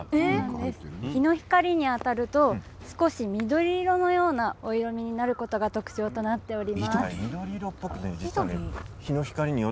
日の光に当たると少し緑色のようなお色みになることが特徴となっております。